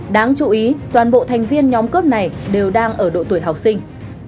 đáng chú ý toàn bộ thành viên nhóm cướp này đều đang ở độ tuổi học sinh